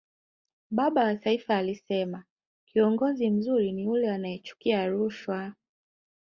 baba wa taifa alisema kiongozi mzuri ni yule anayechukia rushwa